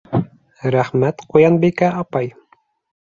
— Рәхмәт, Ҡуянбикә апай.